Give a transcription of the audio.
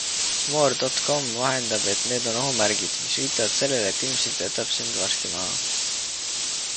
More.com vahendab, et need on ohumärgid, mis viitavad sellele, et ilmselt jätab sind varsti maha.